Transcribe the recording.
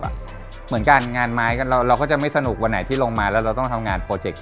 แต่มันจะไม่สนุกวันที่ไปทำเพลงที่เราไม่ชอบ